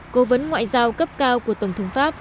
cố vấn ngoại giao cấp cao của tổng thống pháp